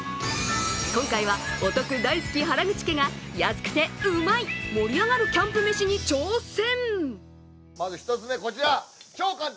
今回はお得大好き原口家が安くて、うまい、盛り上がるキャンプ飯に挑戦！